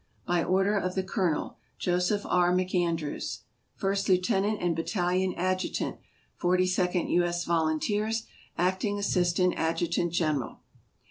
By order of the Colonel. Joseph E. McAndrews, First Lieutenant and Battalion Adjutant, Forty second U. S. Volunteers, Acting Assistant Adjutant General.